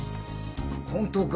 本当か！